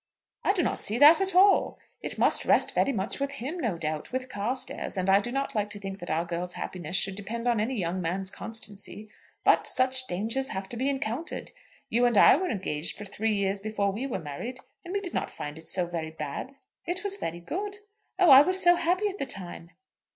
"I do not see that at all. It must rest very much with him, no doubt; with Carstairs; and I do not like to think that our girl's happiness should depend on any young man's constancy. But such dangers have to be encountered. You and I were engaged for three years before we were married, and we did not find it so very bad." "It was very good. Oh, I was so happy at the time."